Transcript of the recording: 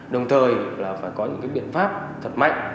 đồng thời là phải có những biện pháp thật mạnh